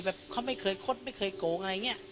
เขาไม่เคยคดไม่เคยโกงอะไรอย่างนี้